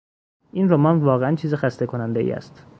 این رمان واقعا چیز خسته کنندهای است.